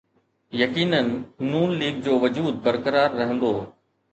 يقينن نون ليگ جو وجود برقرار رهندو.